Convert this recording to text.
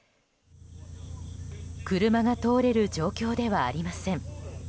車が通れる状況ではありません。